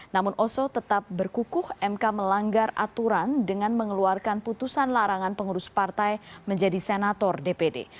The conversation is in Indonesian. namun oso tetap berkukuh mk melanggar aturan dengan mengeluarkan putusan larangan pengurus partai menjadi senator dpd